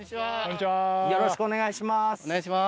・よろしくお願いします。